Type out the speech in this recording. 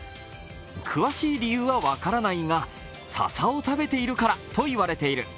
詳しい理由は分からないが、笹を食べているからといわれている。